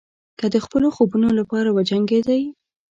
که د خپلو خوبونو لپاره وجنګېدئ.